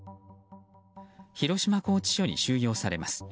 広島拘置所に収容されます。